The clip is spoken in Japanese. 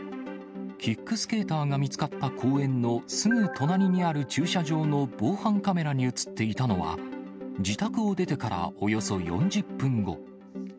キックスケーターが見つかった公園のすぐ隣にある駐車場の防犯カメラに写っていたのは、自宅を出てからおよそ４０分後。